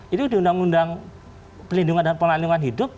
itu di undang undang pelindungan dan pelandungan hidup